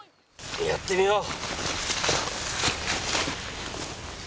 やってみよう。